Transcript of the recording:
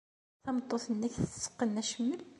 Tameṭṭut-nnek tetteqqen acemmel?